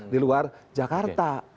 di luar jakarta